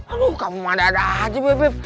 aduh kamu madadah aja bebek